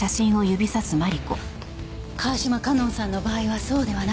川島香音さんの場合はそうではなかった。